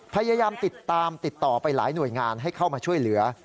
พยายามติดตามติดต่อไปหลายหน่วยงานให้เข้ามาช่วยเหลือ